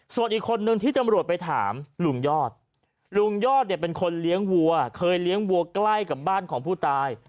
ส่วนอีกคนนึงที่จำรวจไปถามลุงยอดลุงยอดเนี่ยเป็นคนเลี้ยงวัวเคยเลี้ยงวัวใกล้กับบ้านของผู้ตาย